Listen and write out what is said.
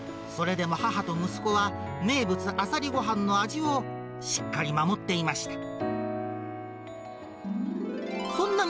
それでも母と息子は、名物、あさりごはんの味をしっかり守っていました。